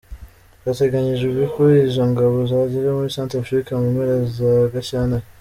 Hateganyijwe ko izo ngabo zagera muri Centrafrique mu mpera za Gashyantare.